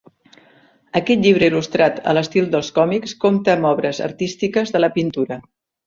Aquest llibre il·lustrat a l'estil dels còmics compta amb obres artístiques de la pintura.